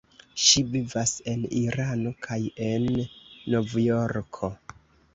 Ŝi vivas en Irano kaj en Novjorko.